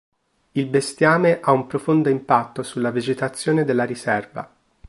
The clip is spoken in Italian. Il bestiame ha un profondo impatto sulla vegetazione della riserva.